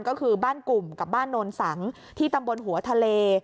ก็คือบ้านกลุ่มกับบ้านโนนสังที่ตำบลหัวทะเล